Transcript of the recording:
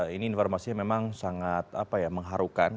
ini informasi yang memang sangat mengharukan